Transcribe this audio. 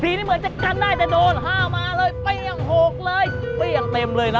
สี่นี่เหมือนจะกันได้แต่โดนห้ามาเลยหกเลยเต็มเลยน่ะ